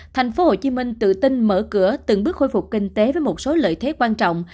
thành phố hồ chí minh tự tin mở cửa từng bước khôi phục kinh tế với một số lợi thế quan trọng